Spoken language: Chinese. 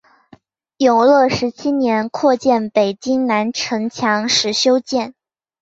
永乐十七年扩建北京南城墙时修建。